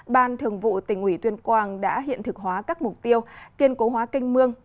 ban thường vụ tỉnh ủy tuyên quang đã hiện thực hóa các mục tiêu kiên cố hóa kênh mương